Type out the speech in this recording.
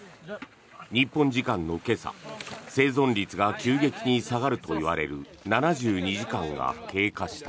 日本時間の今朝生存率が急激に下がるといわれる７２時間が経過した。